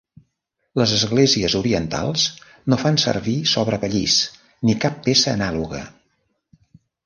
Les esglésies orientals no fan servir sobrepellís ni cap peça anàloga.